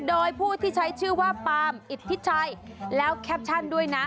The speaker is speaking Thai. โดยผู้ที่ใช้ชื่อว่าปาล์มอิทธิชัยแล้วแคปชั่นด้วยนะ